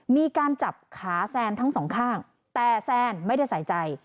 มีการจับขาแซนทั้งสองข้างแต่แซนไม่ได้ใส่ใจ